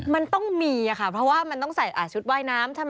มันต้องมีค่ะเพราะว่ามันต้องใส่ชุดว่ายน้ำใช่ไหม